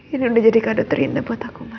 ini udah jadi kado terindah buat aku